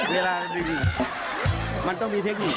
เวลามันต้องมีเทคนิคมันต้องมีเทคนิค